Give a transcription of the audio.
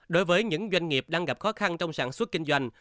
đối với những doanh nghiệp đang gặp khó khăn trong sản xuất kinh doanh